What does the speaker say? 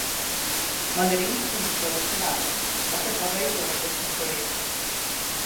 Man ir interesanti šo visu vērot. Vakar pabeidzu arī ostas projektu.